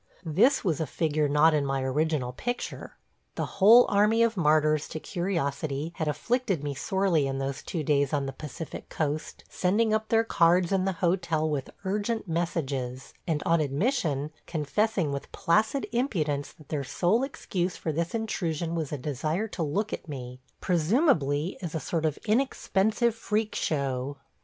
This was a figure not in my original picture. The whole army of martyrs to curiosity had afflicted me sorely in those two days on the Pacific coast, sending up their cards in the hotel with urgent messages, and on admission confessing with placid impudence that their sole excuse for this intrusion was a desire to look at me – presumably as a sort of inexpensive freak show.